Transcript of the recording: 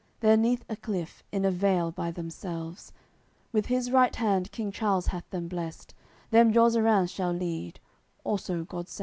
They're neath a cliff, in a vale by themselves; With his right hand King Charles hath them blessed, Them Jozerans shall lead, also Godselmes.